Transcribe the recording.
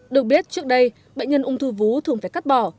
được biết trước đây bệnh nhân ung thư vú thường phải cắt bỏ